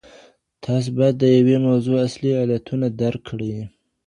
تاسو باید د یوې موضوع اصلي علتونه درک کړئ.